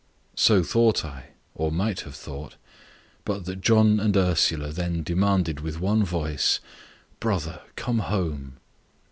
So thought I or might have thought but that John and Ursula then demanded with one voice, "Brother, come home."